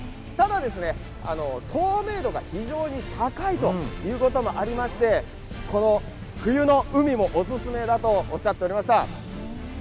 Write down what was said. ただ、透明度が非常に高いということもありまして、冬の海もオススメだとおっしゃっておりました。